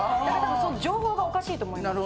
その情報がおかしいと思います。